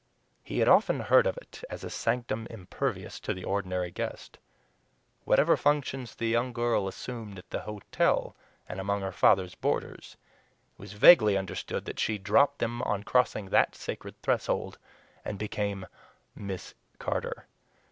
He had often heard of it as a sanctum impervious to the ordinary guest. Whatever functions the young girl assumed at the hotel and among her father's boarders, it was vaguely understood that she dropped them on crossing that sacred threshold, and became "MISS Carter."